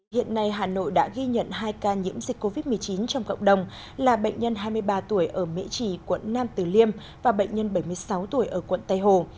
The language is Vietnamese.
hiện nay hà nội đã ghi nhận hai ca nhiễm dịch covid một mươi chín trong cộng đồng là bệnh nhân hai mươi ba tuổi ở mỹ trì quận nam tử liêm và bệnh nhân bảy mươi sáu tuổi ở quận tây hồ